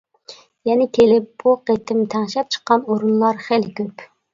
يەنە كېلىپ بۇ قېتىم تەڭشەپ چىققان ئورۇنلار خېلى كۆپ.